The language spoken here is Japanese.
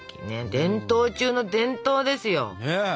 伝統中の伝統ですよ。ね！